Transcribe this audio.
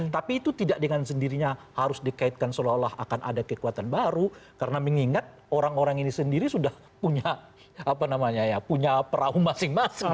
tapi itu tidak dengan sendirinya harus dikaitkan seolah olah akan ada kekuatan baru karena mengingat orang orang ini sendiri sudah punya perahu masing masing